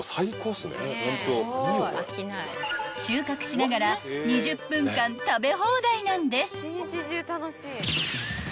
［収穫しながら２０分間食べ放題なんです］